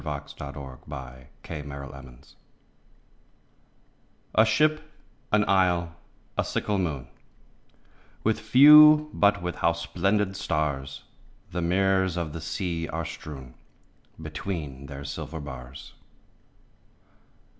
174 A Ship^ an Isle, a Sickle Moon A ship, an isle, a sickle moon — With few but with how splendid stars The mirrors of the sea are strewn Between their silver bars